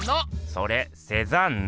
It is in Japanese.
それセザンヌ！